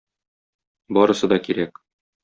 Барысы да кирәк.